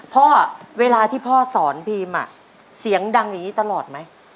เวลาที่พ่อสอนพีมเสียงดังอย่างนี้ตลอดไหม